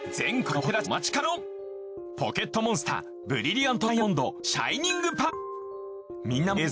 お待ちかねの「ポケットモンスターブリリアントダイヤモンド・シャイニングパール」。